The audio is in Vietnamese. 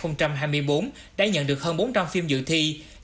năm hai nghìn hai mươi bốn đã nhận được hơn bốn trăm linh phim dự thi